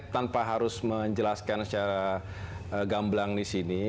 saya tanpa harus menjelaskan secara gamblang disini